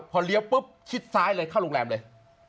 พอเลี้ยวปุ๊บชิดซ้ายเลยเข้าโรงแรมเลย